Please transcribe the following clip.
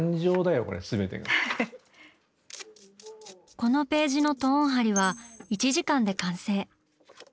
このページのトーン貼りは１時間で完成。